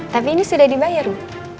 tapi ini sudah dibayar loh